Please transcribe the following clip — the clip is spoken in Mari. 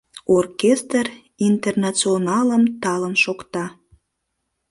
Оркестр Интернационалым талын шокта.